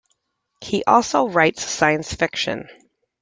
He also writes science fiction.